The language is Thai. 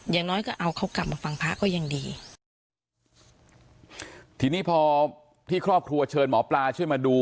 อย่างน้อยก็เอาเขากลับมาฟังพระก็ยังดีทีนี้พอที่ครอบครัวเชิญหมอปลาช่วยมาดู